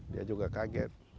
dia juga kaget